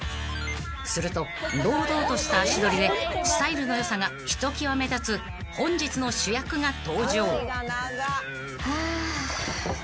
［すると堂々とした足取りでスタイルの良さがひときわ目立つ本日の主役が登場］